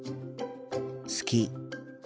好き。